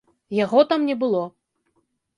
Яго там не было.